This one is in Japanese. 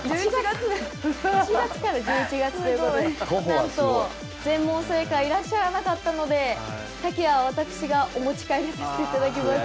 １月から１１月ということでなんと全問正解はいらっしゃらなかったのでタキヤは私がお持ち帰りさせていただきます。